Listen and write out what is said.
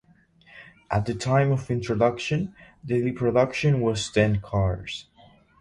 At the time of introduction, daily production was ten cars.